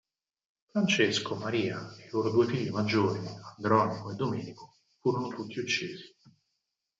Francesco, Maria e i loro due figli maggiori, Andronico e Domenico, furono tutti uccisi.